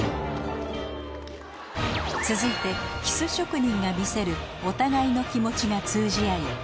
続いてキス職人が見せるお互いの気持ちが通じ合い